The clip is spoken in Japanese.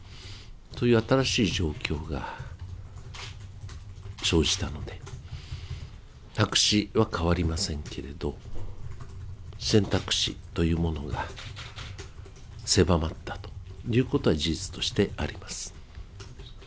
そういう新しい状況が生じたので、白紙は変わりませんけれど、選択肢というものが狭まったということは事実としてあります。